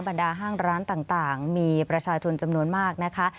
บรรดาห้างร้านต่างมีประชาชนจำนวนมากนะคะ